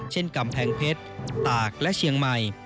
เช่นกำแพงเพชรตากและเชียงใหม่